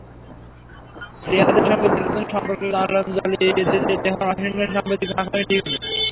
রিয়াদের সঙ্গে দীর্ঘদিনের সম্পর্ককে জলাঞ্জলি দিয়ে তেহরান-ওয়াশিংটন সাম্প্রতিক মাখামাখি ঠিক হয়নি।